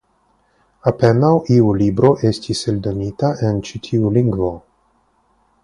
Apenaŭ iu libro estis eldonita en ĉi tiu lingvo.